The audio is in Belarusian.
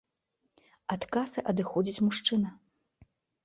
Ад касы адыходзіць мужчына.